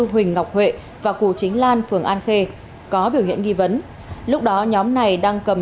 huỳnh ngọc huệ và cù chính lan phường an khê có biểu hiện nghi vấn lúc đó nhóm này đang cầm